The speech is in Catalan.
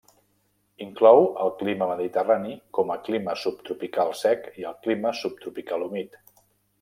Inclou el clima mediterrani, com a clima subtropical sec i el clima subtropical humit.